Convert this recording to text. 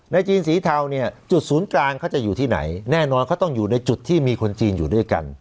จีนสีเทาเนี่ยจุดศูนย์กลางเขาจะอยู่ที่ไหนแน่นอนเขาต้องอยู่ในจุดที่มีคนจีนอยู่ด้วยกัน